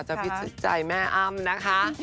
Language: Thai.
จะพิจัยแม่อ้ามนะคะ